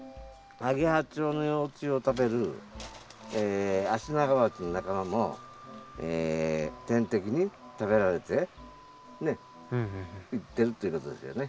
アゲハチョウの幼虫を食べるアシナガバチの仲間も天敵に食べられてねっいってるっていうことですよね。